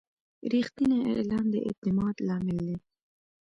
رښتینی اعلان د اعتماد لامل دی.